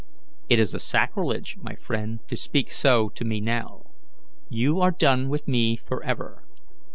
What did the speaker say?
"It is a sacrilege, my friend, to speak so to me now. You are done with me forever.